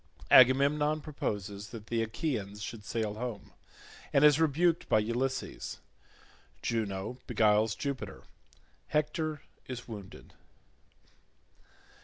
Agamemnon proposes that the Achaeans should sail home, and is rebuked by Ulysses—Juno beguiles Jupiter—Hector is wounded.